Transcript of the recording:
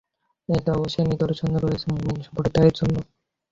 এতে অবশ্যই নিদর্শন রয়েছে মুমিন সম্প্রদায়ের জন্য।